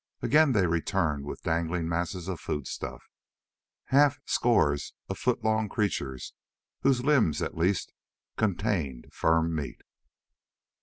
Again they returned with dangling masses of foodstuff, half scores of foot long creatures whose limbs, at least, contained firm meat.